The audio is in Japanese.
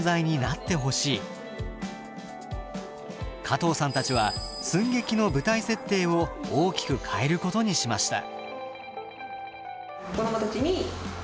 加藤さんたちは寸劇の舞台設定を大きく変えることにしました。